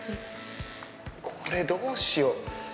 これ、どうしよう。